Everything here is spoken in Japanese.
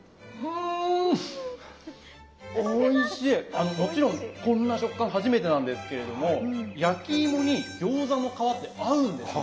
あのもちろんこんな食感初めてなんですけれども焼きいもに餃子の皮って合うんですね。